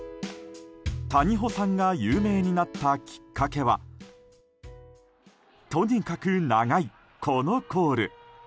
谷保さんが有名になったきっかけはとにかく長い、このコール。